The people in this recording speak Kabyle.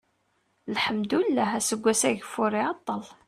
lḥemdullah aseggas-a ageffur iɛeṭṭel